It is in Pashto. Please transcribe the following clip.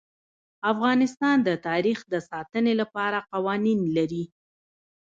افغانستان د تاریخ د ساتنې لپاره قوانین لري.